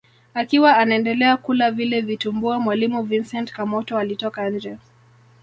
Akiwa anaendelea kula vile vitumbua mwalimu Vincent Kamoto alitoka nje